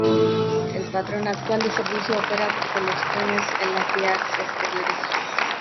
El patrón actual de servicio opera con los trenes en las vías exteriores.